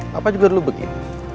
papa juga dulu begini